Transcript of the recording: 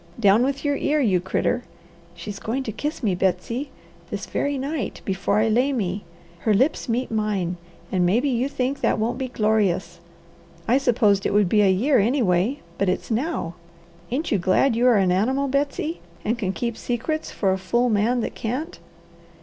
Down with your ear, you critter! She's going to kiss me, Betsy! This very night, before I lay me, her lips meet mine, and maybe you think that won't be glorious. I supposed it would be a year, anyway, but it's now! Ain't you glad you are an animal, Betsy, and can keep secrets for a fool man that can't?"